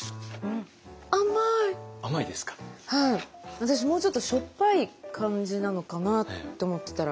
私もうちょっとしょっぱい感じなのかなって思ってたら。